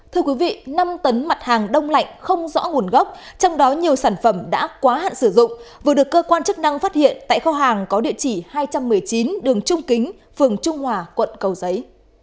thưa quý vị năm tấn mặt hàng đông lạnh không rõ nguồn gốc trong đó nhiều sản phẩm đã quá hạn sử dụng vừa được cơ quan chức năng phát hiện tại kho hàng có địa chỉ hai trăm một mươi chín đường trung kính phường trung hòa quận cầu giấy